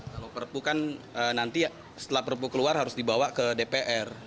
kalau perpu kan nanti setelah perpu keluar harus dibawa ke dpr